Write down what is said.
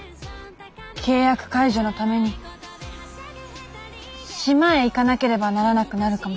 契約解除のために島へ行かなければならなくなるかもしれません。